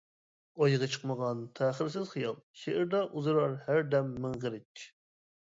ئايىغى چىقمىغان تەخىرسىز خىيال، شېئىردا ئۇزىرار ھەردەم مىڭ غېرىچ.